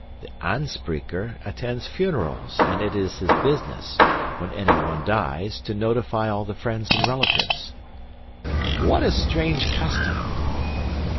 The aanspreeker attends funerals, and it is his business, when anyone dies, to notify all the friends and relatives." "What a strange custom."